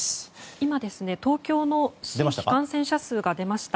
今、東京の新規感染者数が出ました。